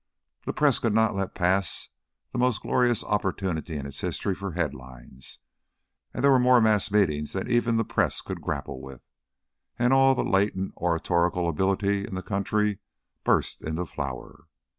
The press could not let pass the most glorious opportunity in its history for head lines; there were more mass meetings than even the press could grapple with, and all the latent oratorical ability in the country burst into flower.